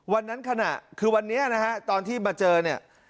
ขณะคือวันนี้นะฮะตอนที่มาเจอเนี่ย